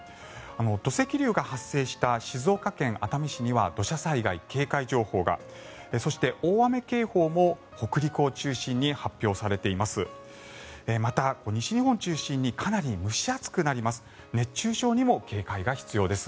土石流が発生した静岡県熱海市には土砂災害警戒情報がそして、大雨警報も北陸を中心に発表されています。